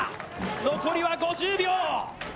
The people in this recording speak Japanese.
残りは５０秒。